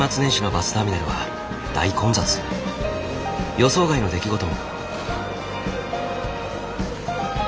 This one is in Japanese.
予想外の出来事も。